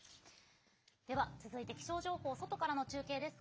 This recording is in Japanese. では、続いて、気象情報外からの中継です。